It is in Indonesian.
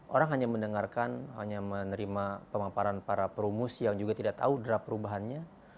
orang hanya mendengarkan hanya menerima pemaparan para perumus yang juga tidak tahu draft perubahannya